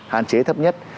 hạn chế thấp nhất